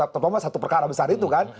terutama satu perkara besar itu kan